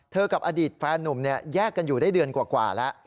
กับอดีตแฟนนุ่มแยกกันอยู่ได้เดือนกว่าแล้ว